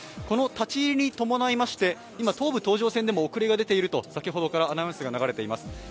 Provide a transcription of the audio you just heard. この立ち入りに伴いまして東武東上線でも先ほどからアナウンスが流れています。